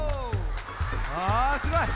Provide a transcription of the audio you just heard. あすごい！